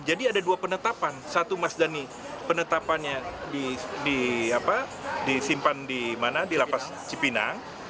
jadi ada dua penetapan satu mas dhani penetapannya disimpan di mana di lapas cipinang